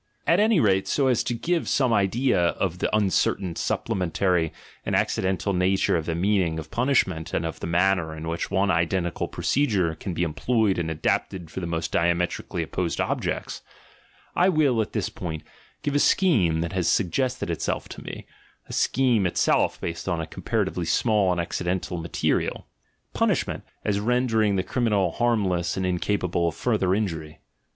At any rate, so as to give some idea of the uncertain, supplementary, and accidental nature of the meaning of punishment and of the manner in which one identical procedure can be employed and adapted for the most diametrically opposed objects, I will at this point give a scheme that has suggested itself to me, a scheme it self based on comparatively small and accidental ma terial. — Punishment, as rendering the criminal harmless and incapable of further injury.